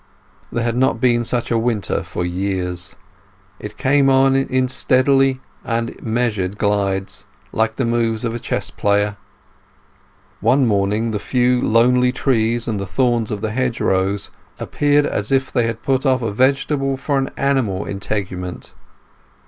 There had not been such a winter for years. It came on in stealthy and measured glides, like the moves of a chess player. One morning the few lonely trees and the thorns of the hedgerows appeared as if they had put off a vegetable for an animal integument.